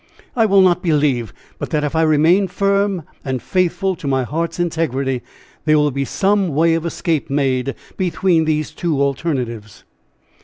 I will not believe but that if I remain firm and faithful to my heart's integrity there will be some way of escape made between these two alternatives."